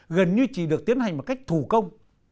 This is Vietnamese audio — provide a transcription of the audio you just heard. gần như chỉ được tiến hành một cách thủ công